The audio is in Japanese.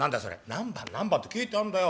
「何番何番って書えてあんだよ。